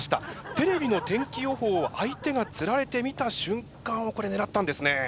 テレビの天気予報を相手がつられて見た瞬間をこれ狙ったんですね。